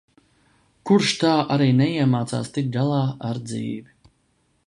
Kurš tā arī neiemācās tikt galā ar dzīvi.